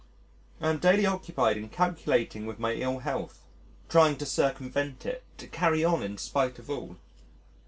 I am daily occupied in calculating with my ill health: trying to circumvent it, to carry on in spite of all.